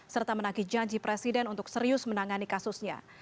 serta menagi janji presiden untuk serius menangani kasusnya